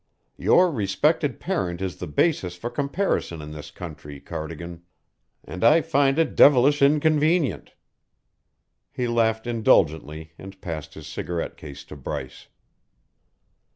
Your respected parent is the basis for comparison in this country, Cardigan, and I find it devilish inconvenient." He laughed indulgently and passed his cigarette case to Bryce.